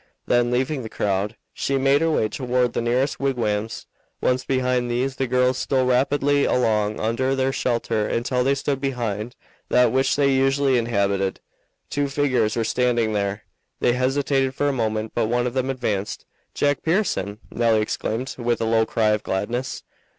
Then, leaving the crowd, she made her way toward the nearest wigwams. Once behind these the girls stole rapidly along under their shelter until they stood behind that which they usually inhabited. Two figures were standing there. They hesitated for a moment, but one of them advanced. "Jack Pearson!" Nelly exclaimed, with a low cry of gladness.